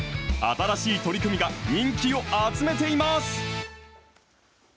新しい取り組みが人気を集めています。